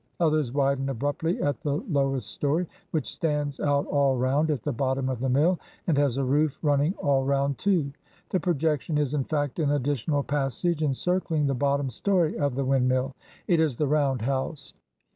Others widen abruptly at the lowest story, which stands out all round at the bottom of the mill, and has a roof running all round too. The projection is, in fact, an additional passage, encircling the bottom story of the windmill. It is the round house.